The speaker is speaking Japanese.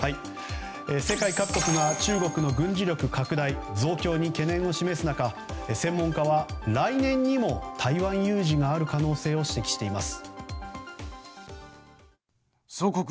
世界各国が中国の軍事力拡大・増強に懸念を示す中専門家は来年にも台湾有事がある可能性を指摘しています。